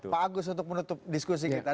pak agus untuk menutup diskusi kita